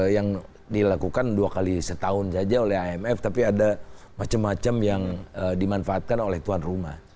yang dilakukan dua kali setahun saja oleh imf tapi ada macam macam yang dimanfaatkan oleh tuan rumah